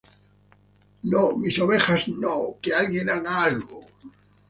¡ No, mis ovejas no! ¡ que alguien haga algo!